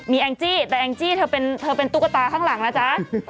มีแองจี้แต่แองจี้เธอเป็นตุ๊กตาข้างหลังนะจ๊ะ